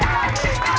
eh bener kan